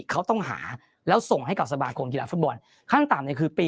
เขาต้องหาแล้วส่งให้กับสมาคมกีฬาฟุตบอลขั้นต่ำเนี่ยคือปี๒